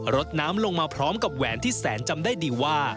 รถน้ำลงมาพร้อมกับแหวนที่แสนจำได้ดีว่า